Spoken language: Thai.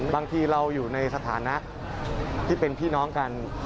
บางทีเราอยู่ในสถานะที่เป็นพี่น้องกัน